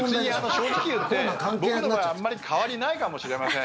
正直言って僕の場合あまり変わりないかもしれません。